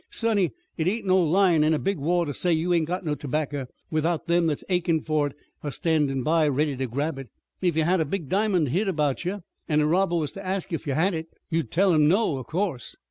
"Sonny, it ain't no lyin' in a big war to say you ain't got no terbacker, when them that's achin' for it are standin' by, ready to grab it. If you had a big diamond hid about you, an' a robber was to ask you if you had it, you'd tell him no, of course."